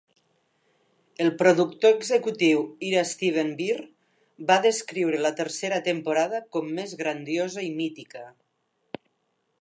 El productor executiu Ira Steven Behr va descriure la tercera temporada com més grandiosa i mítica.